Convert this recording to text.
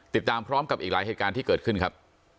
ติดตามพร้อมกับอีกหลายเหตุการณ์ที่เกิดขึ้นครับ